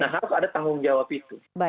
nah harus ada tanggung jawab itu